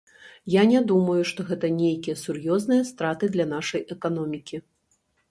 Я не думаю, што гэта нейкія сур'ёзныя страты для нашай эканомікі.